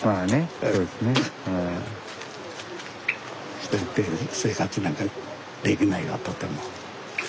下行って生活なんかできないよとても。